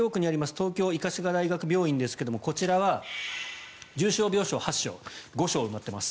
東京医科歯科大学病院ですがこちらは重症病床、８床５床埋まっています。